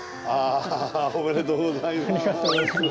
ありがとうございます。